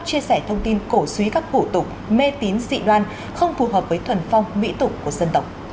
chia sẻ thông tin cổ suý các phủ tục mê tín dị đoan không phù hợp với thuần phong mỹ tục của dân tộc